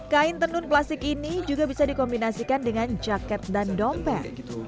kain tenun plastik ini juga bisa dikombinasikan dengan jaket dan dompet